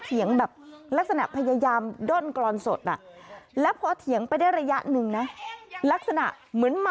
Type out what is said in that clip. มีคนกลับไปเป็นคนเดิม